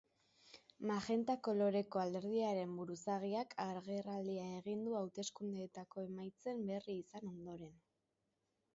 Magenta koloreko alderdiaren buruzagiak agerraldia egin du hauteskundeetako emaitzen berri izan ondoren.